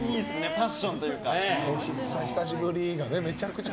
パッションというか。